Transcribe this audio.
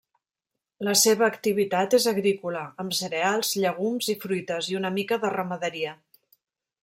La seva activitat és agrícola amb cereals, llegums i fruites, i una mica de ramaderia.